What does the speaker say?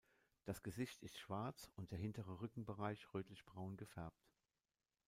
Das Gesicht ist schwarz und der hintere Rückenbereich rötlichbraun gefärbt.